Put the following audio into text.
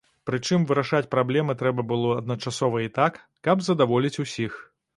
Прычым вырашаць праблемы трэба было адначасова і так, каб задаволіць усіх.